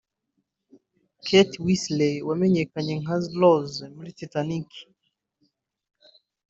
Kate Winslet wamenyekanye nka Rose muri Titanic